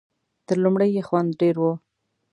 تر لومړي یې خوند ډېر وي .